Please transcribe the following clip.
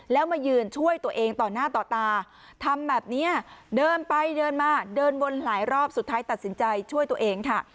แล้วมายืนช่วยตัวเองต่อหน้าต่อตาทำแบบนี้เดินไปเดินมาเดินวนหลายรอบสุดท้ายตัดสินใจช่วยตัวเองค่ะ